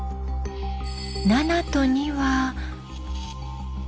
７と２は。